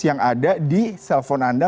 yang ada di cell phone anda